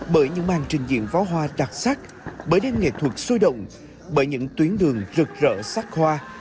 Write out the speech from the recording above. bởi những màn trình diện vó hoa đặc sắc bởi đêm nghệ thuật sôi động bởi những tuyến đường rực rỡ sắc hoa